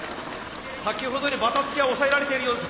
先ほどよりばたつきは抑えられてるようです。